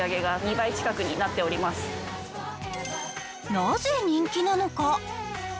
なぜ人気なのか？